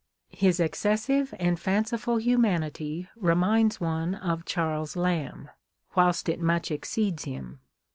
His excessive and fanciful humanity reminds INTRODUCTION. XXi one of Charles Lamb, whilst it much exceeds him.